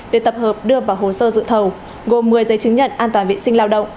để tập hợp đưa vào hồ sơ dự thầu gồm một mươi giấy chứng nhận an toàn vệ sinh lao động